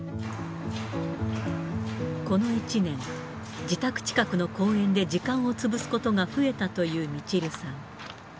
この１年、自宅近くの公園で時間を潰すことが増えたというみちるさん。